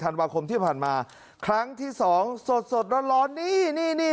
ธันวาคมที่ผ่านมาครั้งที่สองสดสดร้อนร้อนนี่นี่